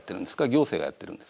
行政がやってるんですか？